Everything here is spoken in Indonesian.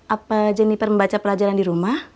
apa jenniper membaca pelajaran di rumah